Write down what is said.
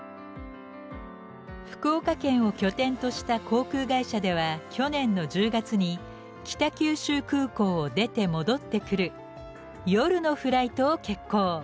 福岡県を拠点とした航空会社では去年の１０月に北九州空港を出て戻ってくる夜のフライトを決行。